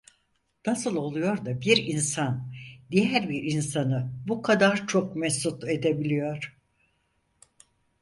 Nasıl oluyor da bir insan diğer bir insanı bu kadar çok mesut edebiliyor?